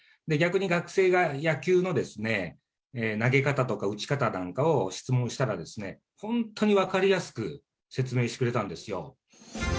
逆に、学生が野球の投げ方とか打ち方なんかを質問したら、本当に分かりやすく説明してくれたんですよ。